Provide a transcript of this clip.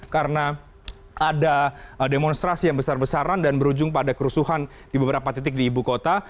karena ada demonstrasi yang besar besaran dan berujung pada kerusuhan di beberapa titik di ibu kota